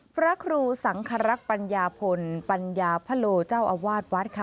พระครูสังครักษ์ปัญญาพลปัญญาพะโลเจ้าอาวาสวัดค่ะ